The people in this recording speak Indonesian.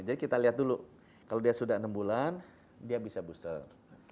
jadi kita lihat dulu kalau dia sudah enam bulan dia bisa booster